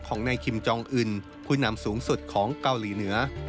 ของนายคิมจองอื่นผู้นำสูงสุดของเกาหลีเหนือ